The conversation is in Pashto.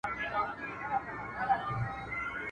چي بد گرځي، بد به پرځي.